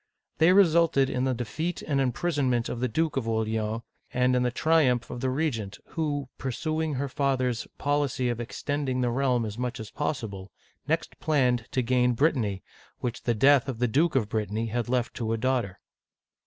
They resulted in the defeat and imprison ment of the Duke of Orleans, and in the triumph of the regent, who, pursuing her father's policy of extending the realm as much as possible, next planned to gain Brittany, which the death of the Duke of Brittany had left to a daughter.